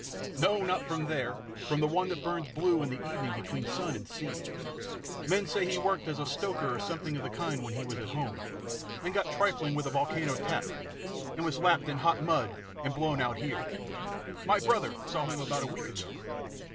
"No, not from there; from the one that burns blue in evening between sun and sea. Men say he worked as a stoker or something of the kind when he was at home, and got trifling with a volcano tap, and was lapped in hot mud, and blown out here. My brother saw him about a week ago."